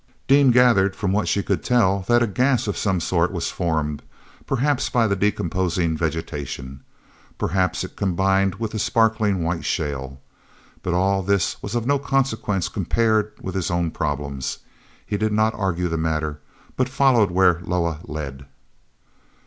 Dean gathered from what she could tell that a gas of some sort was formed, perhaps by the decomposing vegetation. Perhaps it combined with the sparkling white shale. But all this was of no consequence compared with his own problems. He did not argue the matter but followed where Loah led.